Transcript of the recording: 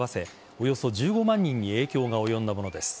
およそ１５万人に影響が及んだものです。